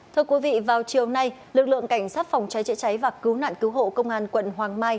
thưa quý vị vào chiều nay lực lượng cảnh sát phòng trái trễ trái và cứu nạn cứu hộ công an quận hoàng mai